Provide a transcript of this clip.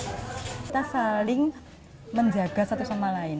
kita saling menjaga satu sama lain